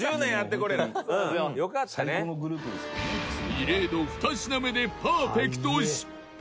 異例の２品目でパーフェクト失敗